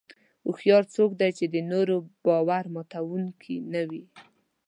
هوښیار څوک دی چې د نورو باور ماتوونکي نه وي.